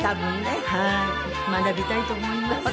学びたいと思います。